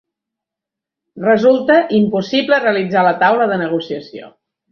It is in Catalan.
Resulta impossible realitzar la taula de negociació